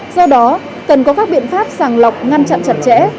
do đó cần có các biện pháp sàng lọc ngăn chặn chặt chẽ